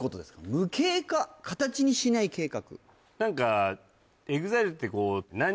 無形化形にしない計画？